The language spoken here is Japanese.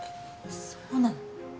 そうなの？